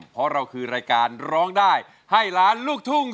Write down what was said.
เพราะเราคือรายการร้องได้ให้ล้านลูกทุ่ง